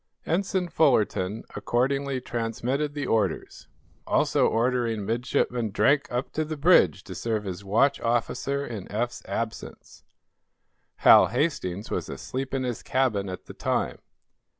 Ensign Fullerton accordingly transmitted the orders, also ordering Midshipman Drake up to the bridge to serve as watch officer in Eph's absence. Hal Hastings was asleep in his cabin at the time.